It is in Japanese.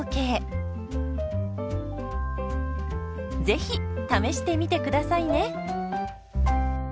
ぜひ試してみてくださいね。